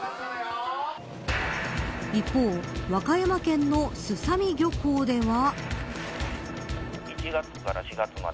一方、和歌山県のすさみ漁港では。